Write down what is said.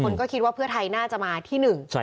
คนก็คิดว่าเพื่อไทยน่าจะมาที่หนึ่ง